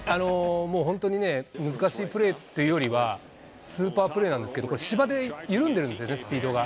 もう本当にね、難しいプレーっていうよりは、スーパープレーなんですけど、これ、芝で緩んでいるんですよね、スピードが。